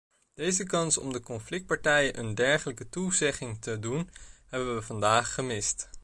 Deze kans om de conflictpartijen een dergelijke toezegging te doen, hebben we vandaag gemist.